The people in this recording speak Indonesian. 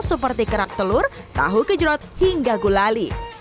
seperti kerak telur tahu kejerot hingga gulali